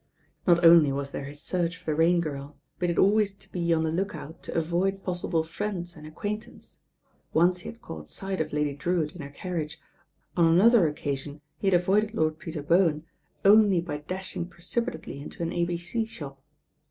Not only was there his search for the Rain Girl; but he had always to be on the look out to avoid possible friends and acquaintance. Once he had caught sight of Lady Drewitt in her czi iage, on another occasion he had avoided Lord Peter Bowen only by dashing precipitately into an A.B.C. shop.